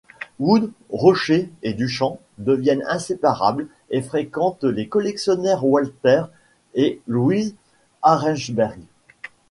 Wood, Roché et Duchamp deviennent inséparables et fréquentent les collectionneurs Walter et Louise Arensberg.